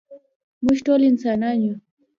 مونږ ټول انسانان يو.